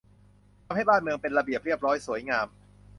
ทำให้บ้านเมืองเป็นระเบียบเรียบร้อย สวยงาม